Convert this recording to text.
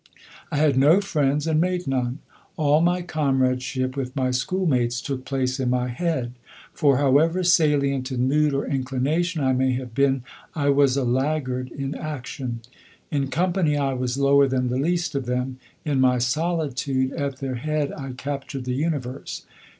I had no friends and made none. All my comradeship with my school mates took place in my head, for however salient in mood or inclination I may have been I was a laggard in action. In company I was lower than the least of them; in my solitude, at their head I captured the universe.